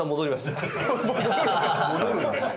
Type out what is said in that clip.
戻るんですか？